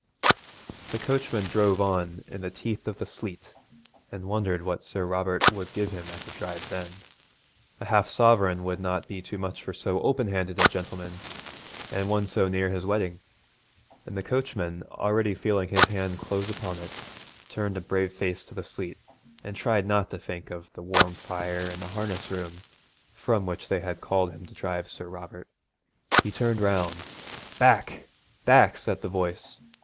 The coachman drove on in the teeth of the sleet and wondered what Sir Robert would give him at the drive's end. A half sovereign would not be too much for so open handed a gentleman, and one so near his wedding; and the coachman, already feeling his hand close upon it, turned a brave face to the sleet and tried not to think of the warm fire in the harness room from which they had called him to drive Sir Robert. Half the distance was gone when he heard a voice from the carriage window calling him. He turned round. 'Back! Back!' said the voice.